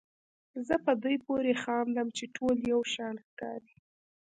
زه په دوی پورې خاندم چې ټول یو شان ښکاري.